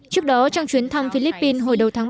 trước đó trong chuyến thăm philippines hồi đầu tháng ba